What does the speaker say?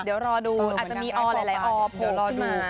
เดี๋ยวรอดูอาจจะมีออนอะไรออนโผล่ขึ้นมา